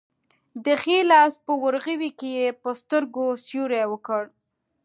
د ښي لاس په ورغوي کې یې په سترګو سیوری وکړ.